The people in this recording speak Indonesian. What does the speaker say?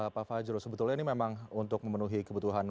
pak fajro sebetulnya ini memang untuk memenuhi kebutuhan